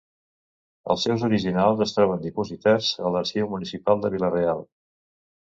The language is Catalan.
Els seus originals es troben dipositats a l'Arxiu Municipal de Vila-real.